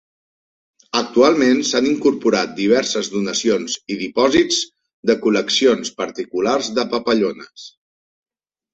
Actualment s'han incorporat diverses donacions i dipòsits de col·leccions particulars de papallones.